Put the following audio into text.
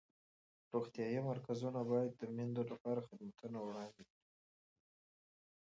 روغتیایي مرکزونه باید د میندو لپاره خدمتونه وړاندې کړي.